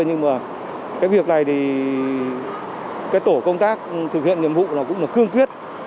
nhưng mà cái việc này thì tổ công tác thực hiện nhiệm vụ cũng là cương quyết